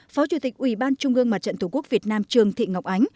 phó chủ tịch ủy ban trung ương mặt trận thủ quốc việt nam trường thị ngọc ánh